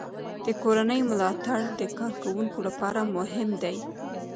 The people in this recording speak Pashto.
د کورنۍ ملاتړ د کارکوونکو لپاره مهم دی.